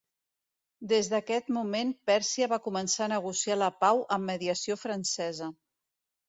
Des d'aquest moment Pèrsia va començar a negociar la pau amb mediació francesa.